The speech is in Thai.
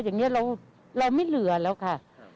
อย่างนี้เราไม่เหลือแล้วค่ะ